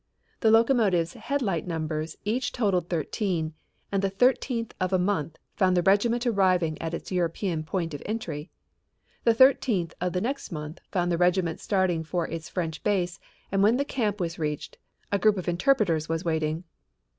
The locomotives' headlight numbers each totaled thirteen and the thirteenth of a month found the regiment arriving at its European port of entry. The thirteenth of the next month found the regiment starting for its French base and when the camp was reached a group of interpreters was waiting.